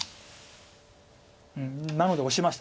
なのでオシました。